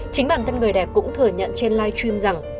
chính bản thân người đẹp cũng thừa nhận trên live stream rằng